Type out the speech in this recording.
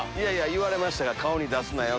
言われましたから顔に出すなよ！